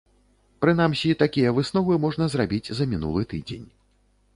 Прынамсі, такія высновы можна зрабіць за мінулы тыдзень.